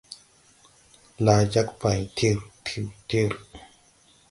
Laa jag pay tir, tir, tir.